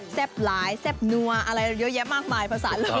แซ่บหลายแซ่บนัวอะไรเยอะแยะมากกว่ามากมายภาคศาสตร์เลย